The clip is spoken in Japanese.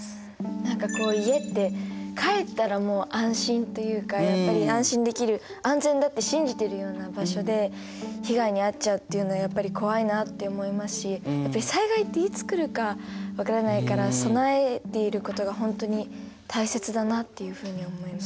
何かこう家って帰ったらもう安心というかやっぱり安心できる安全だって信じてるような場所で被害に遭っちゃうっていうのはやっぱり怖いなって思いますしやっぱり災害っていつ来るか分からないから備えていることが本当に大切だなっていうふうに思います。